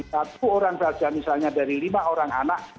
satu orang saja misalnya dari lima orang anak